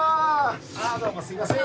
ああどうもすいません。